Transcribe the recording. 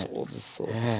そうです